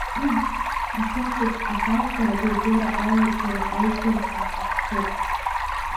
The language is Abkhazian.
Афымцамч ахархәара акультура аҩаӡара аизырҳара ахәҭоуп.